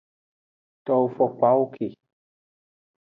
Towo fokpawo ke.